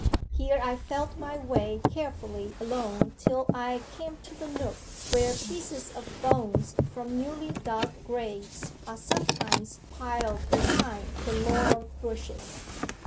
Here I felt my way carefully along till I came to the nook where pieces of bones from newly dug graves are sometimes piled behind the laurel bushes.